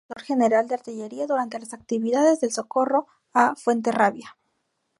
Fue gobernador general de artillería durante las actividades del socorro a Fuenterrabía.